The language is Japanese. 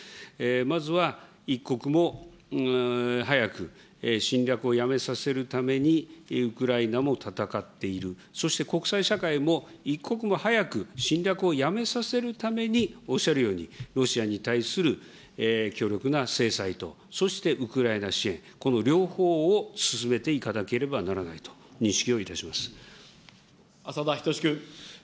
まずは、一刻も早く、侵略をやめさせるために、ウクライナも戦っている、そして国際社会も一刻も早く侵略をやめさせるために、おっしゃるように、ロシアに対する強力な制裁と、そしてウクライナ支援、この両方を進めていかなければならないと浅田均君。